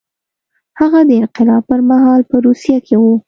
هغه د انقلاب پر مهال په روسیه کې و